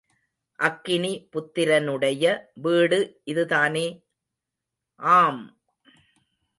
அக்கினி புத்திரனுடைய வீடு இதுதானே? ஆம்!